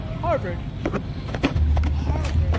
"Harvard." "Harvard....